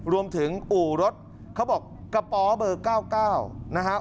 รวมถึงอู่รถเขาบอกกระป๋อเบอร์๙๙นะฮะ